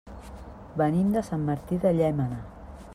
Venim de Sant Martí de Llémena.